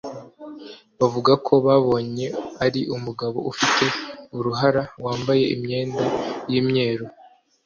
Bavugaga ko babonye ari umugabo ufite uruhara wambaye imyenda y’imyeru